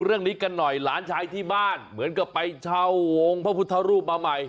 เรื่องนี้กันหน่อยหลานชายที่บ้านเหมือนกับไปเช่าองค์พระพุทธรูปมาใหม่